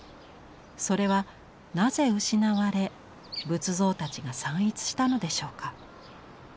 それはなぜ失われ仏像たちが散逸したのでしょうか。